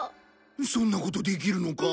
そんなことできるのか？